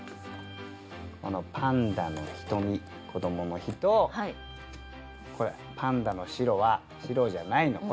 この「パンダの眸こどもの日」とこれ「パンダのしろは白ぢやない」の。